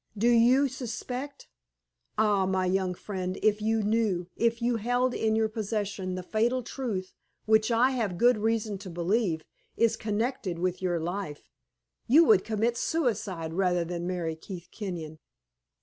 Do you suspect? Ah! my young friend, if you knew, if you held in your possession the fatal truth which I have good reason to believe is connected with your life, you would commit suicide rather than marry Keith Kenyon."